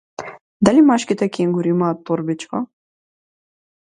Дали машките кенгури имаат торбичка?